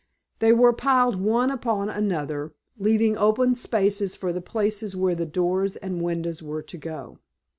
They were piled one upon another, leaving open spaces for the places where the doors and windows were to go.